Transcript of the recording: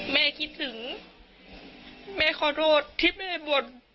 แม่คิดถึงแม่ขอโทษที่แม่บ่น